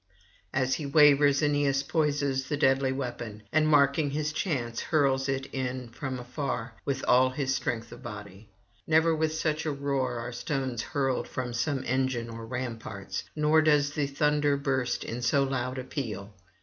As he wavers Aeneas poises the deadly weapon, and, marking his chance, hurls it in from afar with all his strength of body. Never with such a roar are stones hurled from some engine on ramparts, nor does the thunder burst in so loud a peal.